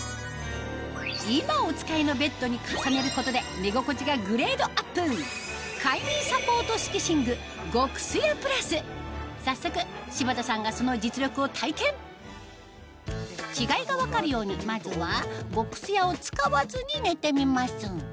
今お使いのベッドに重ねることで寝心地がグレードアップ早速柴田さんがその実力を体験違いが分かるようにまずは「極すや」を使わずに寝てみます